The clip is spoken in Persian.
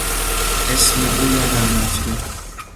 اسم او یادم رفته.